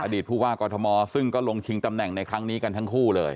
ผู้ว่ากอทมซึ่งก็ลงชิงตำแหน่งในครั้งนี้กันทั้งคู่เลย